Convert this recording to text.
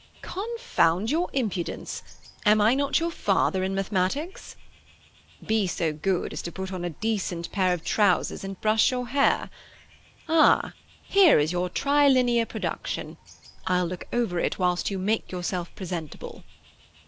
"Confound your impudence! Am I not your father in mathematics?" "Be so good as to put on a decent pair of trousers, and brush your hair. Ah, here is your Trilinear production. I'll look over it whilst you make yourself presentable."